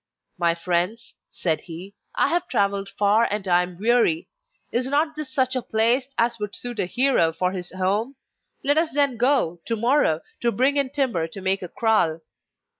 'My friends,' said he, 'I have travelled far and am weary. Is not this such a place as would suit a hero for his home? Let us then go, to morrow, to bring in timber to make a kraal.